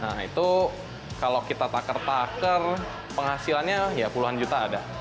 nah itu kalau kita takar taker penghasilannya ya puluhan juta ada